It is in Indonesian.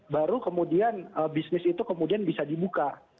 baru kemudian bisnis itu kemudian bisa dibuka